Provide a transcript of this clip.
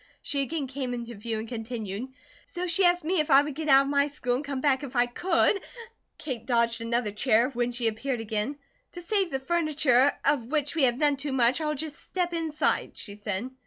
She again came into view and continued "so she asked me if I would get out of my school and come back if I could" Kate dodged another chair; when she appeared again "To save the furniture, of which we have none too much, I'll just step inside," she said.